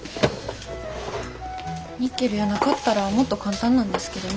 ニッケルやなかったらもっと簡単なんですけどね。